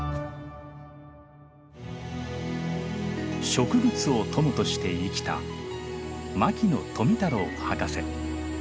植物を友として生きた牧野富太郎博士。